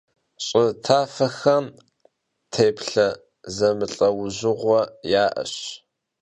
Ş'ı tafexem têplhe zemılh'eujığue ya'eş.